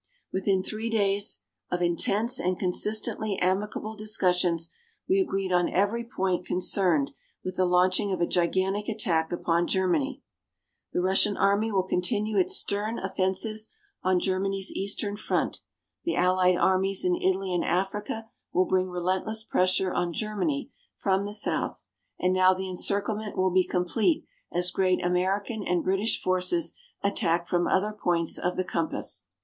Within three days of intense and consistently amicable discussions, we agreed on every point concerned with the launching of a gigantic attack upon Germany. The Russian army will continue its stern offensives on Germany's Eastern front, the allied armies in Italy and Africa will bring relentless pressure on Germany from the south, and now the encirclement will be complete as great American and British forces attack from other points of the compass.